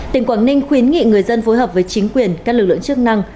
tỉnh quảng ninh khuyến nghị người dân phối hợp với chính quyền các lực lượng chức năng